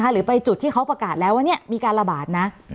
หรือไปจุดที่เขาประกาศแล้วว่ามีการระบาดนะ